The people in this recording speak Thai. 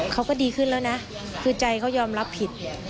เขาก็ดีขึ้นแล้วนะคือใจเขายอมรับผิด